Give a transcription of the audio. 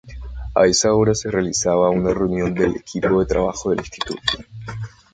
A esa hora se realizaba una reunión del equipo de trabajo del instituto.